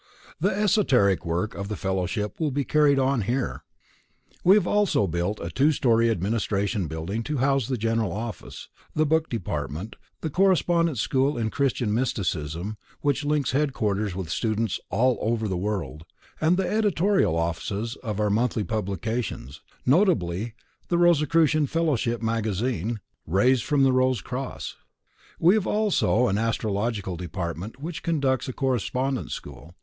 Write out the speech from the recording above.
The esoteric work of the Fellowship will be carried on here. We have also built a two story Administration Building to house the general office, the book department, the correspondence school in Christian Mysticism which links Headquarters with students all over the world, and the editorial offices of our monthly publications, notably the "Rosicrucian Fellowship Magazine—Rays from the Rose Cross." We have also an astrological department which conducts a correspondence school.